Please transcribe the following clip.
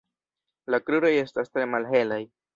La kruroj estas tre malhelaj.